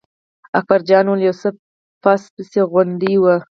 اکبر جان وویل: یو څه پس پسي غوندې و.